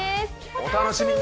お楽しみに！